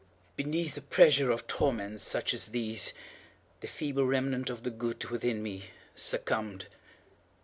_ Beneath the pressure of torments such as these, the feeble remnant of the good within me succumbed.